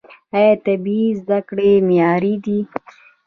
آیا طبي زده کړې معیاري دي؟